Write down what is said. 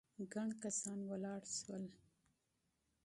ګڼ کسان ولاړ شول.